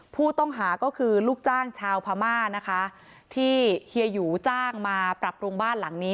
ผู้ต้องหาก็คือลูกจ้างชาวพม่านะคะที่เฮียหยูจ้างมาปรับปรุงบ้านหลังนี้